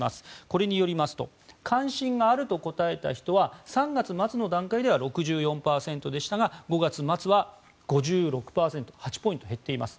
これによりますと関心があると答えた人は３月末の段階では６４％でしたが５月末は５６％８ポイント減っています。